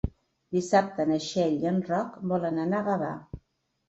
Dissabte na Txell i en Roc volen anar a Gavà.